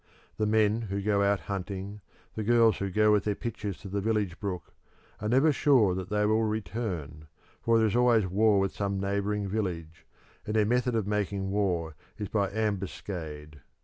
The men who go out hunting, the girls who go with their pitchers to the village brook, are never sure that they will return, for there is always war with some neighbouring village, and their method of making war is by ambuscade.